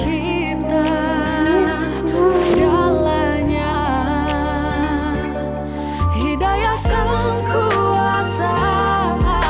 eva boleh tinggal sama kita mama